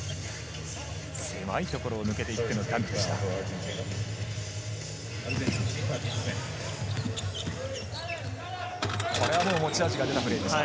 狭いところを抜けていってのダンクでした。